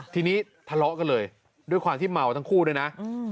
ทีนี้ทะเลาะกันเลยด้วยความที่เมาทั้งคู่ด้วยนะ